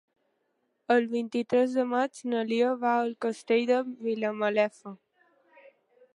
El vint-i-tres de maig na Lia va al Castell de Vilamalefa.